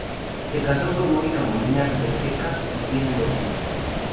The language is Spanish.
Se casó con Mónica Molina Villaseca y tienen dos hijos.